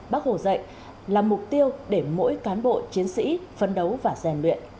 bác hồ dạy là mục tiêu để mỗi cán bộ chiến sĩ phấn đấu và rèn luyện